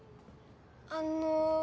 あの。